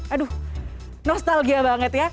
aduh nostalgia banget ya